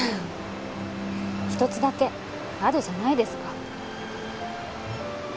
一つだけあるじゃないですかうん？